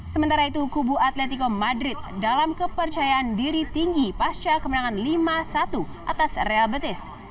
sementara itu kubu atletico madrid dalam kepercayaan diri tinggi pasca kemenangan lima satu atas real betis